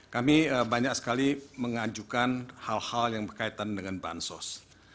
kami banyak sekali mengajukan hal hal yang berkaitan dengan bansos